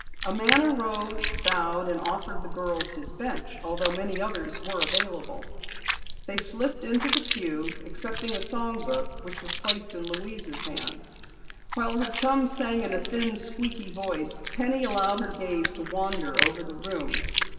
A man arose, bowed, and offered the girls his bench, although many others were available. They slipped into the pew, accepting a song book which was placed in Louise's hand. While her chum sang in a thin, squeaky voice, Penny allowed her gaze to wander over the room.